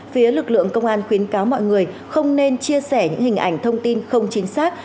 phía lực lượng công an khuyến cáo mọi người không nên chia sẻ những hình ảnh thông tin không chính xác